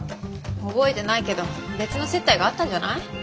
覚えてないけど別の接待があったんじゃない？